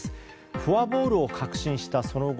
フォアボールを確信したその後。